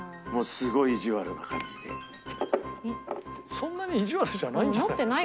そんなに意地悪じゃないんじゃない？